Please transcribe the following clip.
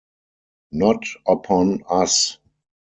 Not upon us!